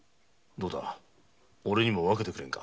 どうだおれにも分けてくれんか？